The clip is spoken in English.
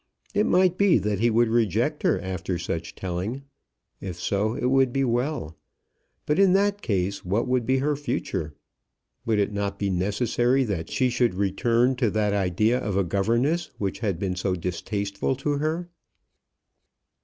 It might be that he would reject her after such telling. If so, it would be well. But, in that case, what would be her future? Would it not be necessary that she should return to that idea of a governess which had been so distasteful to her?